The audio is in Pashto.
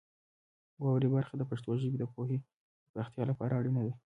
واورئ برخه د پښتو ژبې د پوهې د پراختیا لپاره اړینه ده.